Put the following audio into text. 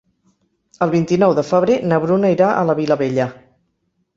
El vint-i-nou de febrer na Bruna irà a la Vilavella.